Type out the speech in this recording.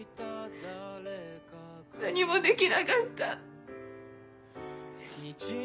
何もできなかった。